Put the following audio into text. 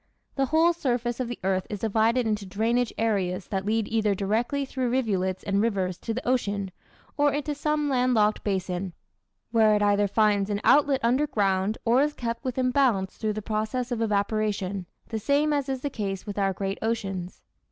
The whole surface of the earth is divided into drainage areas that lead either directly through rivulets and rivers to the ocean, or into some land locked basin, where it either finds an outlet under ground or is kept within bounds through the process of evaporation, the same as is the case with our great oceans.